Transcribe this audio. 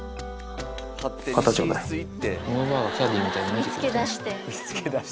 むぅばあがキャディーみたいに見てくれてんです。